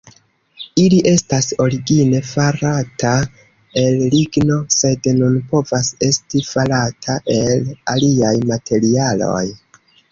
Ili estas origine farata el ligno, sed nun povas esti farata el aliaj materialoj.